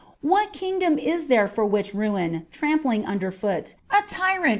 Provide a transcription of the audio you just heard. what kingdom is there for which ruin, trampling under foot, a tyrant and a 276